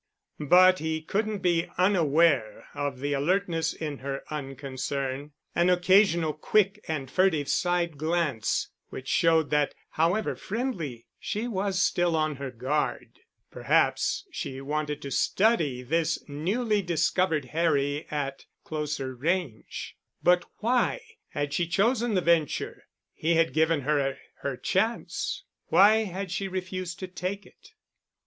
But he couldn't be unaware of the alertness in her unconcern, an occasional quick and furtive side glance which showed that, however friendly, she was still on her guard. Perhaps she wanted to study this newly discovered Harry at closer range. But why had she chosen the venture? He had given her her chance. Why had she refused to take it?